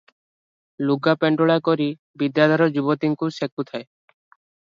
ଲୁଗା ପେଣ୍ଡୁଳା କରି ବିଦ୍ୟାଧର ଯୁବତୀକୁ ସେକୁଥାଏ ।